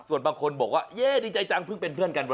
ส่วนบางคนบอกว่าเย้ดีใจจังเพิ่งเป็นเพื่อนกัน